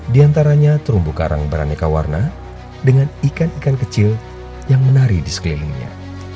di antaranya terumbu karang beraneka warna dengan ikan ikan kecil yang menari di sekelilingnya